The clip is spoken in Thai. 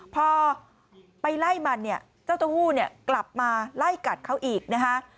พอไปไล่มันเนี่ยเจ้าเต้าหู้เนี่ยกลับมาไล่กัดเขาอีกนะคะ